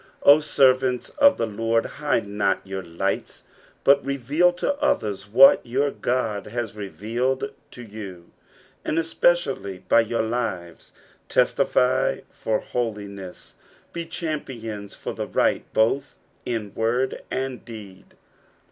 O servants of the. Lord, hide not your lights, but reveal to others what your God has revealed to yon ; and especially by your lives testify for holiness, he champions for the right, both in word and deed.